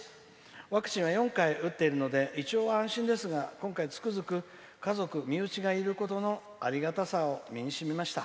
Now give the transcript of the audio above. ワクチンは４回打っているので一応安心ですが今回、つくづく家族、身内がいることのありがたさを身にしみました。